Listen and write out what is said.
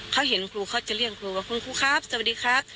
เขาเห็นครูเขาจะเรียกครูว่าคุณครูครับสวัสดีครับ